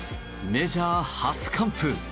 メジャー初完封。